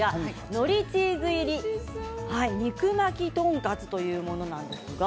のりチーズ入り肉巻きトンカツというものなんです。